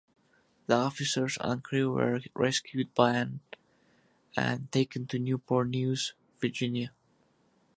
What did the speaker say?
The officers and crew were rescued by and taken to Newport News, Virginia.